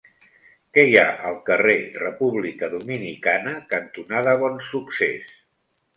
Què hi ha al carrer República Dominicana cantonada Bonsuccés?